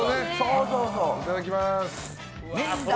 いただきます！